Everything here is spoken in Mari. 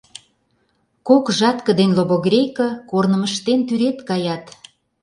Кок жатке ден лобогрейке, корным ыштен, тӱред каят.